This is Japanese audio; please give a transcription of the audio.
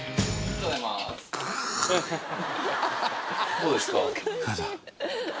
どうですか？